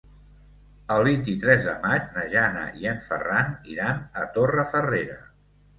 El vint-i-tres de maig na Jana i en Ferran iran a Torrefarrera.